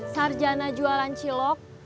sarjana jualan cilok